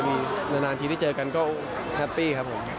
มีนานทีได้เจอกันก็แฮปปี้ครับผม